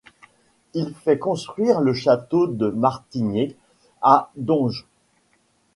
Il fait construire le château de Martigné, à Donges.